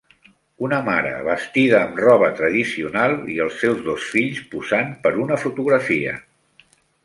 Una mare, vestida amb roba tradicional, i els seus dos fills posant per una fotografia.